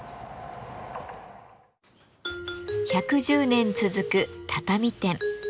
１１０年続く畳店。